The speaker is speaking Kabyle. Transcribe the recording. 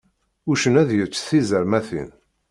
Uccen ad yečč tizermatin.